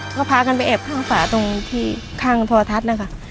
ก็พากันไปแอบข้างฝาตรงที่ข้างโทรทัศน์นะคะ